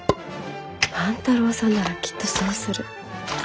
万太郎さんならきっとそうする。